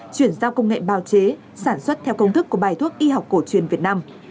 chuyển giao công nghệ bào chế sản xuất theo công thức của bài thuốc y học cổ truyền việt nam